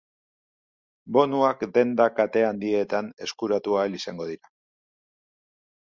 Bonuak denda kate handietan eskuratu ahal izango dira.